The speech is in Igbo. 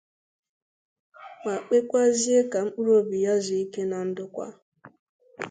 ma kpekwazie ka mkpụrụobi ya zuo ike na ndokwa.